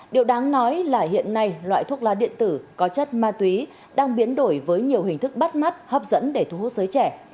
điều đáng nói là hiện nay loại thuốc lá điện tử có chất ma túy đang biến đổi với nhiều hình thức bắt mắt hấp dẫn để thu hút giới trẻ